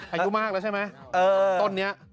อายุมากแล้วใช่ไหมต้นนี้